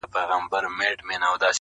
تا منلی راته جام وي د سرو لبو,